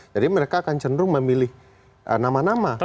jadi mereka akan cenderung memilih nama nama